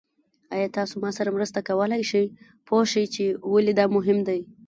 ایا تاسو ما سره مرسته کولی شئ پوه شئ چې ولې دا مهم دی؟